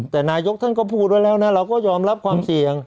แต่นายกท่านก็พูดไว้แล้วนะเราก็ยอมรับความเสี่ยง